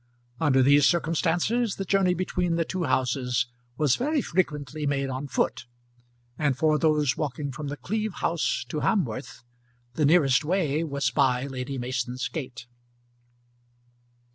Under these circumstances the journey between the two houses was very frequently made on foot; and for those walking from The Cleeve House to Hamworth the nearest way was by Lady Mason's gate.